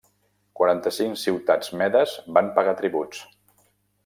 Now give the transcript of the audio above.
Quaranta-cinc ciutats medes van pagar tributs.